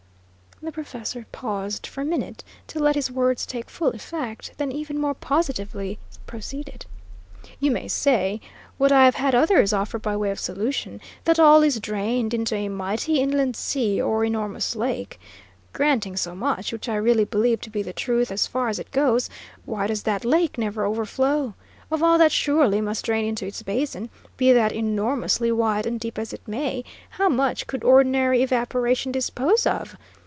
The professor paused for a minute, to let his words take full effect, then even more positively proceeded: "You may say, what I have had others offer by way of solution, that all is drained into a mighty inland sea or enormous lake. Granting so much, which I really believe to be the truth as far as it goes, why does that lake never overflow? Of all that surely must drain into its basin, be that enormously wide and deep as it may, how much could ordinary evaporation dispose of?